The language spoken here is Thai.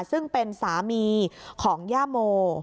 ซึ่งเป็นสามีของย่าโม